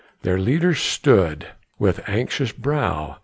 Their leader stood with anxious brow.